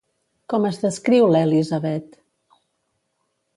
Com es descriu l'Élisabeth?